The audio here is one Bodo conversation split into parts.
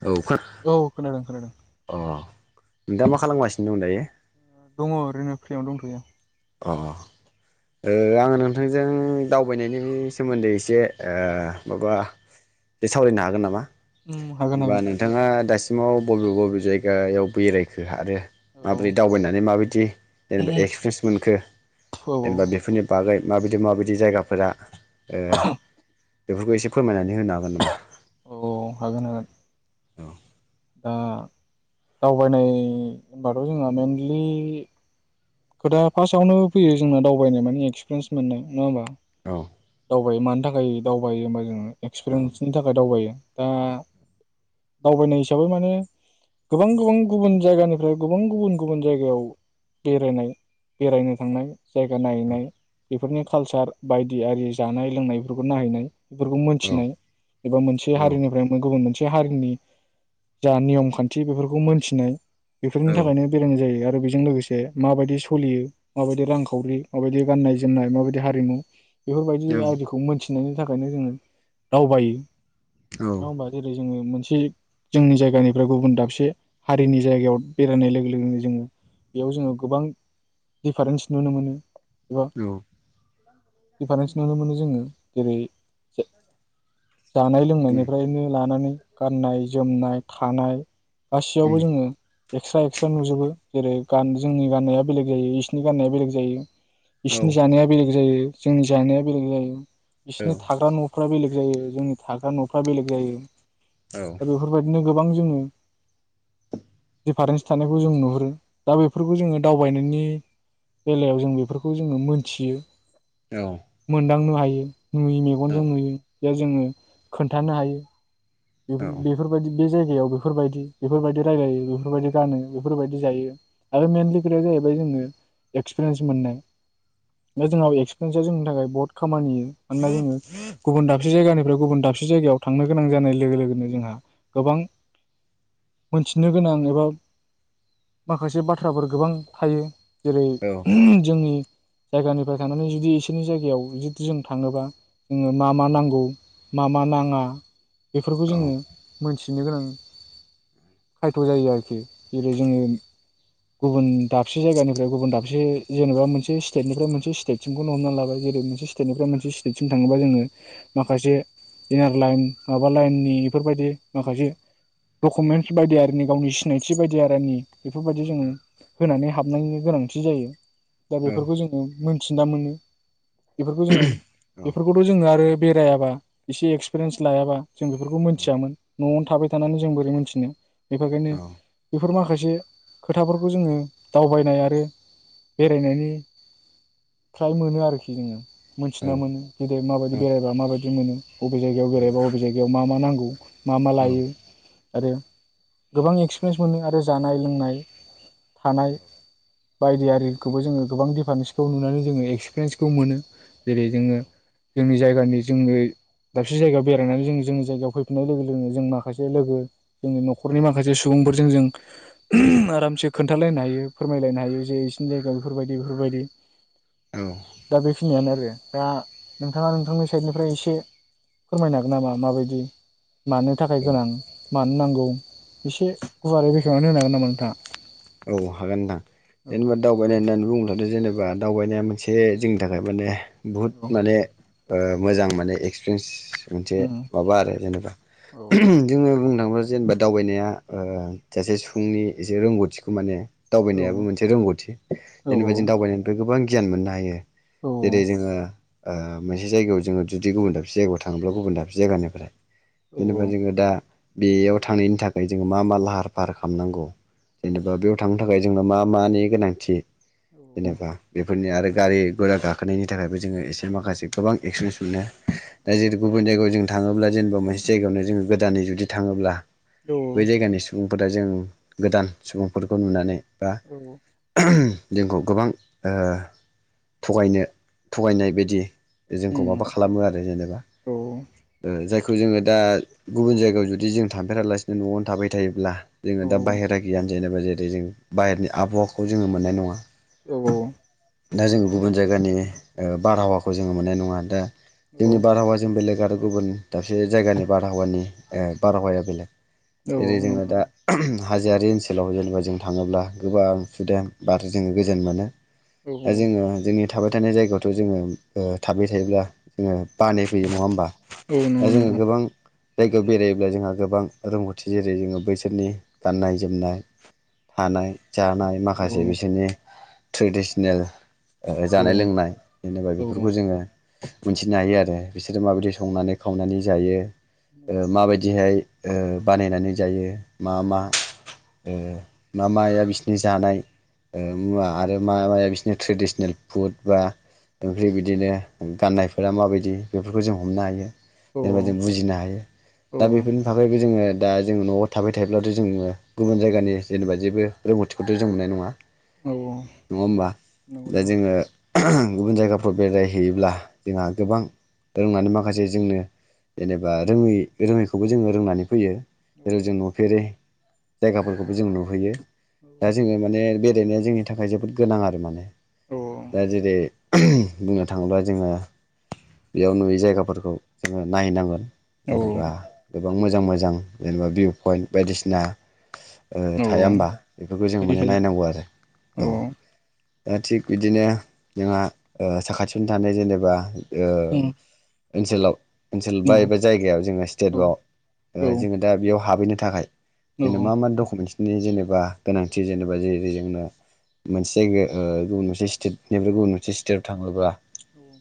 औ खोना औ खोनादों खोनादों। अ दा मा खालामगासिनो दं दायो? दङ ओरैनो फ्रियावनो दंथयो। अ ओ आङो नोंथांजों दावबायनायनि सोमोन्दैसो जे ओ औ माबा बे सावरायनो हागोन नामा? उम हागोन होनबा हागोन नोंथाङा दासिम सिमाव बबे बबे जायगायाव बेरायखो आरो औ माबोरै दावबायनानै माबायदि जेनेबा एक्सफ्रेस खो औ जेनबा बेफोरनि बा बागै माबायदि माबायदि जायगाफोरा ए बेफोरखौ एसे फोरमायनानै होनो हागोन नामा? औ हागोन हागोन औ ओ दावबायनाय होनबाथ' जोंहा मेनलि खोथा फार्स्टआवनो फैयो जोंना दावबायनाय माने एक्सपिरियेन्स मोननाय नङा होमबा औ दावबायो मानो था खाय दावबायो होमबा जोङो औ एक्सपिरियेन्सनि थाखाय दावबायो दा दावबायनाय हिसाबै माने गोबां गोबां गुबुन जायगानिफ्राय गोबां गुबुन गुबुन जायगायाव बेरायनाय बेरायनो थांनाय जायगा औ नायनाय बेफोरनि कालसार बायदि आरि जानाय लोंनायफोरखौ नायहैनाय बेफोरखौ औ मोनथिनाय एबा मोनसे हारिनिफ्राय एबा गुबुन मोनसे हारिनि जा नियम खान्थि बेफोरखौ मोनथिनाय बेफोरनि औ थाखायनो बेरायनाय जायो आरो बेजों लोगोसे माबायदि सलियो माबायदि रांखावरि माबायदि गान्नाय जोमनाय माबायदि हारिमु बेफोरबायदि आदिखौ मोनथि नायनि थाखायनो जोङो दावबायो नङा होमबा जेरै जोङो मोन से जोंनि जायगानिफ्राय गुबुन दाबसे हारिनि जायगायाव बेरायनाय लोगो लोगोनो जोङो बेयाव जोङो गोबां दिफारेन्स नुनो मोनो एबा औ दिफारेन्स नुनो मोनो जोङो जेरै जानाय लोंनायनिफ्रायनो लानानै गाननाय जोमनाय थानाय गसियावबो जोङो एक्सट्रा एक्सट्रा नुजोबो जेरै गान जोंनि गाननाया बेलेग जायो इसिनि गाननाया बेलेग जायो बिसिनि जानाया बेलेग जायो जोंनि जानाया बेलेग जायो बिसिनि थाग्रा न'फोरा बेलेग जायो जोंनि थाग्रा न'फ्रा बेलेग जायो औ दा बेफोर बायदिनो गोबां जोंङो दिफारेन्स थानायखौ जों नुहुरो दा बे फोरखौ जोङो दावबायनायनि बेलायाव जों बेफोरखौ जोङो मोनथियो औ मोनदांनो हा [unintelligible] नुयो औ मेगनजों नुयो बेयाव जोङो खोन्थानो हायो बेफोरबायदि बे जायगायाव बेफोरबायदि बेफोरबायदि रायलायो बेफोरबायदि गानो बेफोरबायदि जायो आरो मेनलि खोथाया जाहैबाय जोङो एक्सपिरिेन्स मोननाय ओमफाय जोंनाव एक्सपेन्स जोंनि थाखाय बहत खामानि होयो मानोना जोङो गुबुन दाबसे जायगानिफ्राय गुबुन दाबसे जायगायाव थांनो गोनां जानाय लोगो लोगोनो जोंहा गोबां मोनथिनो गोनां एबा माखासे बाथ्राफोर गोबां थायो जेरै जोंनि जायगानिफ्राय थांनानै जुदि एसोरनि जायगायाव जुदि जों थाङोबा जोंङो मा मा नांगौ मा मा नाङा बेफोरखौ जोङो मोनथि थिनो गोनां खायथ' जायो आरोखि जेरै जोङो गुबुन दाबसे जायगानिफ्राय गुबुन दाबसे जेनेबा मोनसे स्टेटनिफ्राय मोनसे स्टेटसिमखौनो हमना लाबाय जेरै मोनसे स्टेटनिफ्राय मोनसे स्टेटसिम थाङोबा जोङो माखासे इनार लाइन माबा लाइननि बेफोरबायदि माखासे डकुमेन्टस बायदि आरोनि गावनि सिनायथि बायदि आरोनि बेफोरबायदि जों होनानै हाबनायनि गोनांथि जायो दा बेफोरखौ जोङो मोनथिना मोनो बेफोरखौ जोङो बेफोरखौथ' जोङो आरो बेरायाबा एसे एक्सपिरियेन्स लायाबा जों बेफोरखौ मोनथियामोन न'आवनो थाबाय थानानै जों बोरै मोनथिनो बेफोरखायनो औ बेफोर माखासे मोनसे खोथाफोरखौ जोङो दावबायनाय आरो बेरायनायनि फ्राय मोनो आरोखि जोङो मोनथिना मोनो जदो माबायदि बेरायबा माबायदि मोनो बबे जायगाव बेरायबा बबे जाय मा मा नांगौ मा मा लायो आरो गोबां एक्सपिरिेन्स मोन आरो जानाय लोंनाय थानाय बायदियिखौबो जोङो गोबां दिफारेन्सखौ नुनानै जो एक्पिरिन्सखौ मोनो जेरै जोङो जोंनि ज ज दाबसे जायगायाव बेरायनानै जों जोंनि जायगायाव फैफिननाय लोगो लोगोनो जों माखासे लोगो जोंनि न'खरनि माखासे सुबुंफोरजों जों आरामसे खोन्थालायनो हायो फोरमायलायनो हायो जे बिसिनि जायगायाव बेफोरबायदि बेफोरबायदि दा बेखिनियानो आरो दा नोंथाङा नोंथांनि साइडनिफ्राय एसे फोरमायनो हागोन नामा माबायदि मानो थाखाय औ गोनां मा नांगौ एसे गुवारै बेखेवनानै होनो हागोन नामा नोंथाङा औ हागोन नोंथां औ जेनेबा दे दावबायनाय होननानै बुङोब्लाथ जेनेबा दावबायनाया मोनसे जोंनि थाखाय माने बहुद माने मोजां माने एक्सपिरियेन्स मोनसे माबा आरो जेनेबा औ जोङो बुंनो थाङोबा जेनेबा दावबायनाया ओ सासे सुबुंनि एसे रोंगौथिखौ खौ माने औ दावबायनायाबो मोनसे रोंगौथि औ जेनेबा जों दावबायनायनिफ्राय गोबां गियान मोननो हायो औ जेरै जोङो ओ मोनसे जायगायाव जोङो जुदि गुबुन दाबसे जायगायाव थाङोब्ला गुबुन दाबसे जायगानिफ्राय जेनेबा जोङो दा बेयाव थांनायनि थाखाय जोङो मा मा लाहार फाहार खामनांगौ जेनेबा औ बेयाव थांनो थाखाय जोंनाव मा मानि गोनांथि जेनेबा बेफोरनि आरो गारि गोरा गाखोनायनि थाखायबो जोङो एसे माखासे गोबां एक्सपिरियेन्स मोनो औ दा जेरै गुबुन जायगायाव जों थाङोब्ला जेनेबा मोनसे जायगायावनो जोङो गोदानै जुदि थाङोब्ला औ बै जायगानि सुबुं दा जों गोदान सुबुंफोरखौ नुनानै ओआ औ जोंखौ गोबां ओ थगायनो थगायनाय बिदि जोंखौ उम माबा खालामो आरो जेनेबा औ ओ जाय बेखौ जोङो दा गुबुन जायगायाव जुदि जों थांफेरालासिनो न'आवनो थाबाय थायोब्ला औ जोङो दा बाहेरा गियान जेनेबा जेरै जों बाहेरनि आबहावाखौ जोङो मोननाय नङा औ औ औ दा जोङो गुबुन जायगानि ओ बारहावाखौ जोङो मोननाय नङा दा औ जोंनि बारहावा जों बेलेग आरो गुबुन दाबसे जायगानि बारहावानि ओ बारहावाया बेलेग जेरै जोङो दा [unintelligible] हाजोरि ओन सोलाव जेनेबा जों थाङोब्ला गोबां सुदेम बारजों जोङो गोजोन मोनो दा जोङो जोंनि थाबाय थानाय जायगायावथ' जोङो ओ थाबाय थायोब्ला जोङो बानाय फैयो नङा होमबा दा जोङो गोबां जायगायाव बेरायोब्ला जोंहा गोबां रोंगौथि जेरै जोङो बैसोरनि गाननाय जोमनाय थानाय जानाय माखासे बिसोरनि ट्रेडिसनेल जानाय लोंनाय जेनेबा औ बेफोरखौ जोङो मोनथिनो हायो आरो बिसोरो माबायदि संनानै खावनानै जायो ओ नंगौ माबायदिहाय ओ बानायनानै जायो मा मा ओ मा माया बिसनि जानाय ओ मुवा आरो मा माया बिसोरनि ट्रेडिसनेल फुड बा ओमफ्राय बिदिनो गाननायफोरा माबायदि बेफोरखौ जों हमनो हायो जेरैबायदि बुजिनो हायो दा बेफोरनि थाखायबो जोङो दा जोङो न'आव थाबाय थायोब्लाथ' जोङो गुबुन जायगानि जेनेबा जेबो रोंगौथिखौथ' जों मोननाय नङा नङा होमबा नंगौ औ नंगौ औ नंगौ दा जोङो गुबुन जायगाफ्राव बेरायहैयोब्ला जोंहा गोबां रोंनानै माखासे जोंनो जेनेबा रोङै रोङैखौबो जोङो रोंनानै फैयो औ जेरै जों नुफेरै जायगाफोरखौबो जों नुहैयो दा जोङो माने बे गेलेनाया जोंनि थाखाय जोबोद गोनां आरो माने औ नंगौ औ औ दा जेरै बुंनो थाङोब्ला जोङो बेयाव नुयै जायगाफोरखौ जोङो नायहैनांगोन औ जेनेबा गोबां मोजां मोजां जेनेबा भिउ पइन्ट बायदिसिना ओ औ थाया होमबा औ बेफोरखौ जों माने नायनांगौ आरो औ दा थिग बिदिनो जोंहा ओ साखाथियावनो थानाय जेनेबा ओ ओनसोलाव ओनसोल बा एबा जायगायाव जोङो स्टेट बाव जोङो दा बेयाव हाबहैनो थाखाय मा मा डकुमेनस नि जेनेबा गोनांथि जेनेबा जेरै जोंनो मोनसे जायगायाव गुबुन मोनसे स्टेटनिफ्राय गुबुन मोनसे स्टेटआव थाङोब्ला औ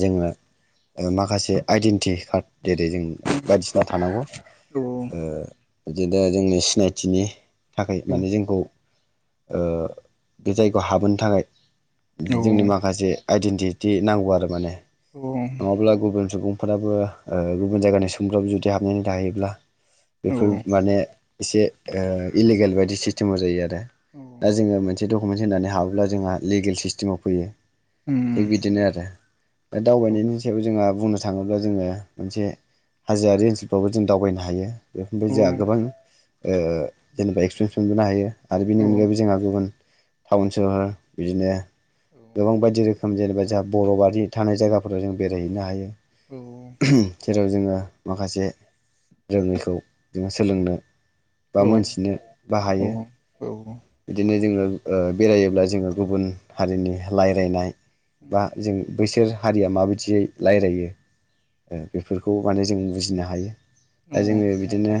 जोङो माखासे आइडेन्टिटि कार्ड गोै जों बायदिसिना थानांगौ ओ बिदिनो जोंनि सिनायथिनि थाखाय माने औ जोंखौ ओ बे जायगायाव हाबोनो थाखाय जोंनि माखासे आइडेन्टिटि नांगौ आरो माने नङाब्ला गुबुन सुबुं फोराबो ओ गुबुन जायगानि सुबुंफ्राबो जुदि हाबनानै थायोब्ला बेफोर माने एसे ओ इलिगेल बायदि सिस्टेमाव जायो आरो औ दा जोङो मोनसे दं दुकुमेन्ट होननानै हाबोब्ला जोंहा लिगेल सिस्टेमाव फैयो उम थिग बिदिनो आरो बे दावबायनायनि सायाव जोंहा बुंनो थाङोब्ला जोङो मोनसे हाजोआरारि ओनसोलफ्रावबो जों दावबायनो हायो बेफोरनिफाय जोंहा हागोन गोबां ओ जेनेबा एक्सपिरियेन्स मोनबोनो हायो आरो बेनि अनगायैबो जोंहा गुबुन टाउन सोहोर बिदिनो गोबां बायदि रोखोम रोखोम जेनबा जाहा बर' बादि थानाय जायगाफोराव जों बेरायहैनो हायो जेरै जोङो माखासे रोङैखौ जोङो सोलोंनो बा मोनथिनो बाहायो बिदिनो जोङो ओ बेरायोब्ला जोङो गुबुन हारिनि रायलायनाय बा जों बैसोर हारिया माबायदियै लायरायो बेफोरखौ माने जों बुजिनो हायो दा जोङो बिदिनो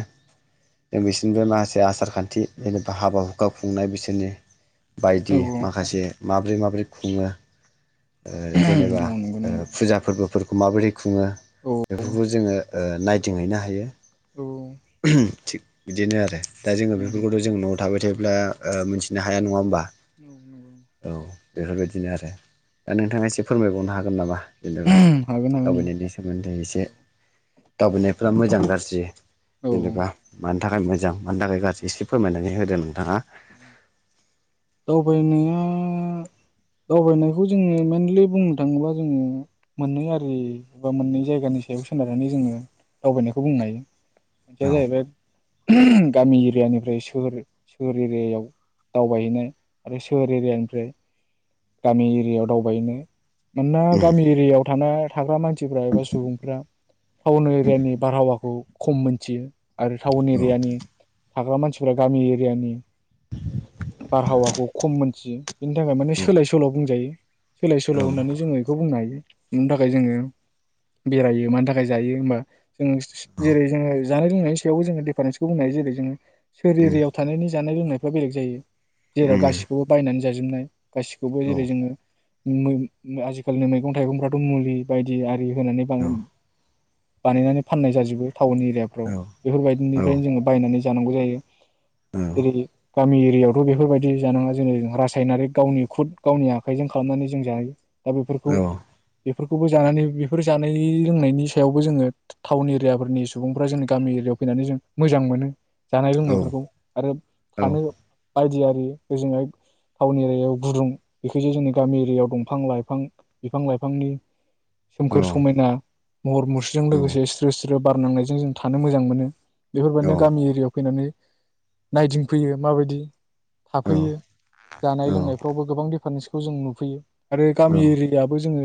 जों बिसोरनिबो माखासे आसार खान्थि जेनेबा हाबा हुखा खुंनाय बिसोरनि बायदि माखासे माबोरै माबोरै खुङो ओ जेनेबा ओ फुजा फोरबोफोर माबोरै खुङो बेफोरखौ जोङो ओ नायदिंहैनो हायो थिग बिदिनो आरो दा जोङो बेफोरखौथ' जों न' थाबाय थायोब्ला ओ मिथिनो हाया नङा होमबा। औ नंगौ औ बेफोरबायदिनो आरो दा नोंथाङा एसे फोरमायबावनो हागोन नामा? जेनेबा हागोन दावबायनायनि सोमोनदै एसे दावबायनायफ्रा मोजां गारज्रि औ जेनेबा मान थाखाय मोजां मानि थाखाय गाज्रि एसे फोरमायनानै होदो नोंथाङा। उम दावबायनायखौ जोङो मइेनलि बुंनो थाङोबा जोङो मोननै आरि बा मोननै जायगानि सायाव सोनारनानै जोङो दावबायनायखौ बुंनो हायो मोनसेया औ जाहैबाय [unintelligible] गामि एरियानिफ्राय सोहोर सोहोर एरियायाव दावबायहैनाय आरो सोहोर एरियानिफ्राय गामि एरियायाव दावबायनो मानोना उम गामि एरियायाव थानाय थाग्रा मानसिफ्रा एबा सुबुंफ्रा टाउन एरियानि बारहावाखौ खम मोनथियो आरो टाउन औ एरियानि थाग्रा मानसिफ्रा गामि एरियानि बारहावाखौ खम मोनथियो बिनि थाखाय माने सो सोलाय सोल' बुंजायो सोलाय सोल' औ होननानै जोङो बेखौ बुंनो हायो बेनि थाखाय जोङो बेरायो मानि थाखाय जायो होमबा जों औ जेरै जोङो जानाय लोंनायनि सायावबो जोङो दिफारेन्सखौ बुंनो हायो जेरै जोङो सोहोर उम एरियाव थानायनि जानाय लोंनायफ्रा बेलेग जायो जेराव उम गासिखौबो बायनानै जाजोबनाय गासिखौबो औ जेरै जोङो मै आजिखालिनि मैगं थाइगंफ्राथ' मुलि बायदि आरि होनानै बां औ बानायनानै फाननाय जाजोबो टाउन एरियाफ्राव औ औ बेफोरबायदिनिफ्रायनो जोङो बायनानै जानांगौ जायो जेरै गामि एरियाायावथ' बेफोरबायदि जानाङा जेरै रासायनारि गावनि खुद गावनि आखाइजों खालामनानै जों जायो। दा बेफोरखौ बेफोरखौबो जानानै बेफोर जानाय लोंनायनि सायावबो जोङो टाउन एरियाफोरनि सुबुंफ्रा जोंनि गामि एरियाायाव फैनानै जों मोजां मोनो। जानाय लोंनायफोरखौ आरो थानो बायदि आरि ओजोंहाय टाउन एरायाव गुदुं बेखायसो जोंनि गामि एरियाव दंफां लाइफां बिफां लाइफांनि सोमखोर समायना महर मुस्रिजों लोगोसे स्रो स्रो बारनांनायजों जों थानो मोजां मोनो बेफोरबायदिनो गामि एरियाव फैनानै नायदिंफैयो माबायदि थाफैयो जानाय लोंनाय फ्रावबो गोबां दिडिफारेन्सखौ जों नुफैयो आरो गामि एरियाबो जोङो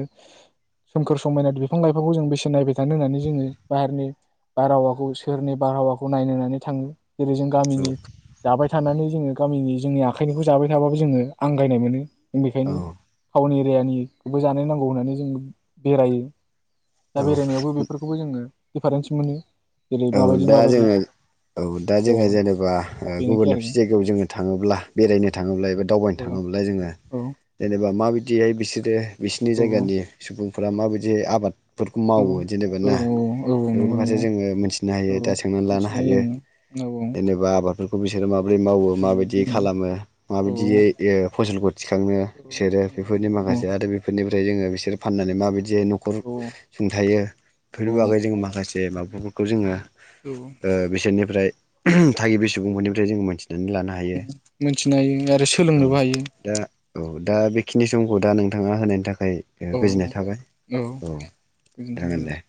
सोमखोर समायना बिफां लाइफांखौ जों बेसेन नायबाय थानो होननानै जोङो बाहेरनि बारहावाखौ सोहोरनि बारहावाखौ नायनो होननानै थाङो जेरै जों गामिनि जाबाय थानानै जोङो गामिनि जोंनि आखाइनिखौ जाबाय थाबाबो जोङो आंगायनाय मोनो औ बेखायनो टाउन एरियानिखोबो जानाय नांगौ होननानै जों बेरायो औ दा बेरायनायावबो बेफोरखौबो जोङो दिफारेन्स मोनो। जेरै औ माबायदि दा माबायदि जोङो औ दा औ जोङो जेनेबा ओ बेनोखि गुबुन आरो दाबसे जायगायाव जोङो थाङोब्ला बेरायनो थाङोब्ला एबा दावबायनो औ थाङोब्ला जोंङो औ जेनोबा मा माबायदिहाय बिसोरो बिसिनि औ औ जायगानि सुबुं फोरा माबायदि आबाद फोरखौ मावो जेनेबा औ ना औ बेफोरनि नंगौ फारसे नंगौ जोङो मिनथि दा औ सोंनानै लानो मिथिनाय हायो जों जेनेबा फोरखौ बिसोर मा माबोरै मावो माबायदियै खालामो औ औ माबायदियै ओ फसलखौ थिखांनो औ बिसोरो नंगौ बेफोरनि नंगौ माखासे औ आरो बेफोरनि ओमफ्राय जो बिसोर फाननानै माबायदि जे न'खर औ सुंथायो औ बेफोरनि बागै जोंङो माखासे माबाफोरखौ खौ जोङो औ ओ बिसोरनिफ्राय थागिबि सुबुंफोरनिफ्राय जोङो मोनथि मिथिनो हायो आरो औ सोलोंनोबो हायो। दा औ दा बेखिनि समखौ दा नोंथाङा होनायनि थाखाय खै औ गोजोननाय थाबाय औ गोजोनथों जागोन दे। गोजोन